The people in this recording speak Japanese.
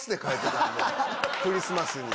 クリスマスに。